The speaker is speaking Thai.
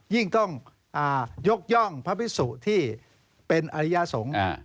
ยิ่งต้องยกย่องพระพิสุที่เป็นอริยสงฆ์